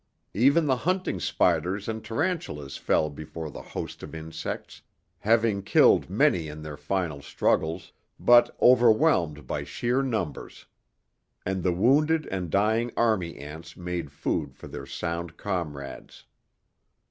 Even the hunting spiders and tarantulas fell before the host of insects, having killed many in their final struggles, but overwhelmed by sheer numbers. And the wounded and dying army ants made food for their sound comrades.